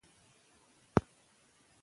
تعليم د راتلونکي نسل لپاره ضروري دی.